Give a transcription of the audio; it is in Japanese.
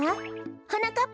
はなかっ